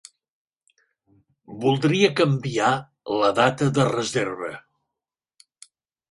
Voldria canviar la data de reserva.